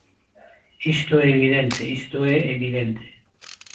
Isto é evidente, isto é evidente.